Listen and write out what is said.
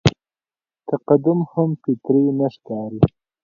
تقدم هم فطري نه ښکاري.